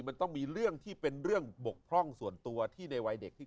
มันต้องมีเรื่องที่เป็นเรื่องบกพร่องส่วนตัวที่ในวัยเด็กที่